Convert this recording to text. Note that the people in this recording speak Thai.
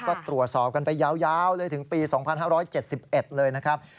ก็ตรวจสอบกันไปยาวเลยถึงปี๒๕๗๑เลยนะครับ